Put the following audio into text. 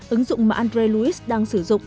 ứng dụng mà andre lewis đang sử dụng